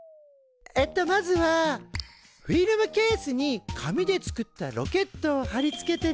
えっとまずはフィルムケースに紙で作ったロケットを貼り付けてね。